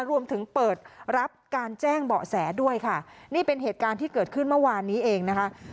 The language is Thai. รวมถึงเปิดรับการแจ้งเบาะแสด้วยค่ะนี่เป็นเหตุการณ์ที่เกิดขึ้นเมื่อวานนี้เองนะคะ